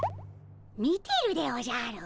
見てるでおじゃる。